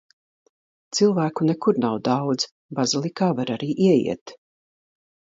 Cilvēku nekur nav daudz. Bazilikā var arī ieiet.